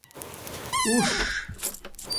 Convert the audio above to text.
اݸݽ